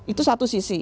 itu satu sisi